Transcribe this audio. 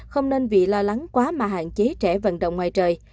không nên vì lo lắng quá mà hạn chế trẻ vận động ngoài trời